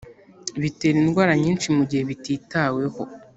bitera indwara nyinshi mu gihe bitiitaweho